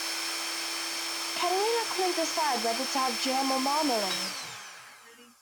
Katerina couldn't decide whether to have jam or marmalade.